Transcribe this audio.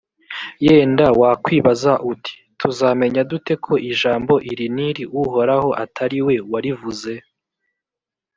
yenda wakwibaza uti «tuzamenya dute ko ijambo iri n’iri uhoraho atari we warivuze?»